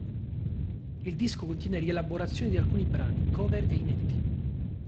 Il disco contiene rielaborazioni di alcuni brani, cover e inediti.